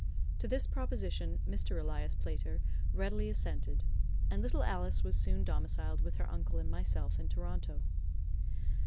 To this proposition Mr. Elias Playter readily assented, and little Alice was soon domiciled with her uncle and myself in Toronto.